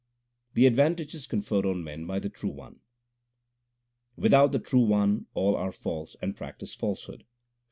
The advantages conferred on men by the True One: Without the True One all are false and practise falsehood.